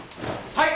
はい。